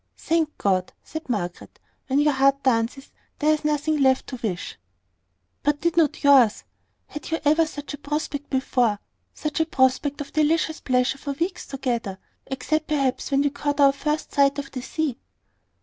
"Thank God!" said Margaret. "When your heart dances, there is nothing left to wish." "But did not yours? Had you ever such a prospect before, such a prospect of delicious pleasure for weeks together, except perhaps when we caught our first sight of the sea?"